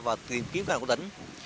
và tìm kiếm cơ hội của tỉnh